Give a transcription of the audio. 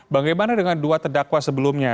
bagaimana dengan dua terdakwa sebelumnya